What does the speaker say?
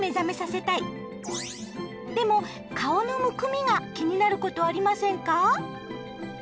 でも顔のむくみが気になることありませんか？